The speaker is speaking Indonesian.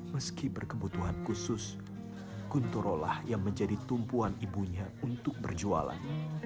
meski berkebutuhan khusus guntorolah yang menjadi tumpuan ibunya untuk berjualan